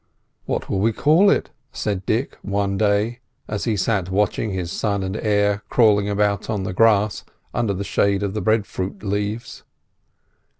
"What will we call it?" said Dick one day, as he sat watching his son and heir crawling about on the grass under the shade of the breadfruit leaves.